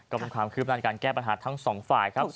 กรรมความคือประนานการแก้ปัญหาทั้งสองฝ่ายครับ